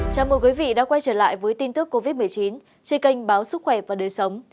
chào mừng quý vị đã quay trở lại với tin tức covid một mươi chín trên kênh báo sức khỏe và đời sống